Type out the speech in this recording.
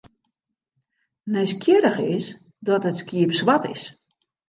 Nijsgjirrich is dat it skiep swart is.